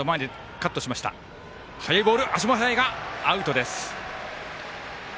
アウトです。